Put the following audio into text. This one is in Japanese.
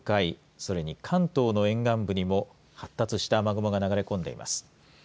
それに関東の沿岸部にも発達した雨雲が流れ込んでいます。